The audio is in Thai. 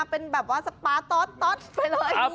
เป็นแบบว่าสปาร์ตอสไปเลย